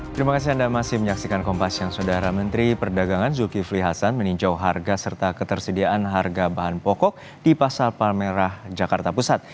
terima kasih anda masih menyaksikan kompas yang saudara menteri perdagangan zulkifli hasan meninjau harga serta ketersediaan harga bahan pokok di pasar palmerah jakarta pusat